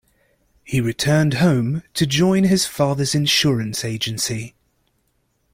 He returned home to join his father's insurance agency.